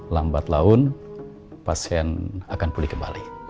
lambat laun pasien akan pulih kembali